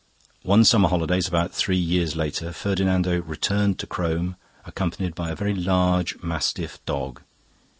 "One summer holidays about three years later Ferdinando returned to Crome accompanied by a very large mastiff dog.